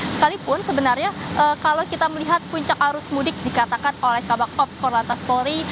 sekalipun sebenarnya kalau kita melihat puncak arus mudik dikatakan oleh kabupaten korlata skori